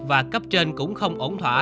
và cấp trên cũng không ổn thỏa